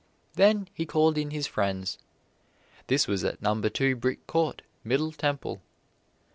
Then he called in his friends. This was at Number Two Brick Court, Middle Temple.